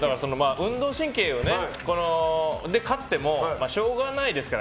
運動神経で勝ってもしょうがないですから。